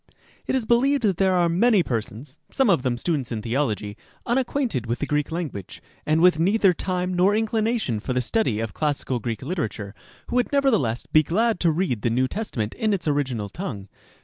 It is believed that there are many persons (some of them students in theology) unacquainted with the Greek language, and with neither time nor inclination for the study of classical Greek literature, who would nevertheless be glad to read the New Testament in its original tongue.